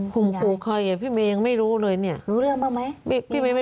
คมครูใครพี่เมย์ยังไม่รู้เลยนี่